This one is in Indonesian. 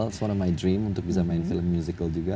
itu salah satu impian saya untuk bisa main film musikal juga